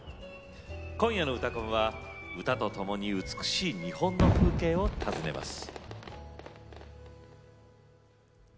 今夜の「うたコン」は歌とともに美しい日本の風景を訪ねます。